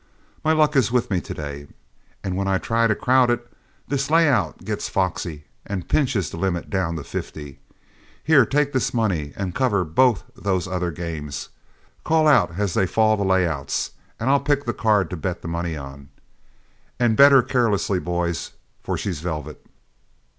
"My luck is with me to day, and when I try to crowd it, this layout gets foxy and pinches the limit down to fifty. Here, take this money and cover both those other games. Call out as they fall the layouts, and I'll pick the card to bet the money on. And bet her carelessly, boys, for she's velvet."